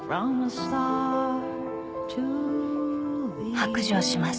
［白状します。